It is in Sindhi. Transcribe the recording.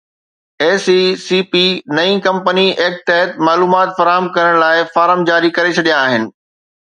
ايس اي سي پي نئين ڪمپني ايڪٽ تحت معلومات فراهم ڪرڻ لاءِ فارم جاري ڪري ڇڏيا آهن